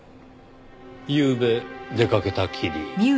ゆうべ出掛けたきり。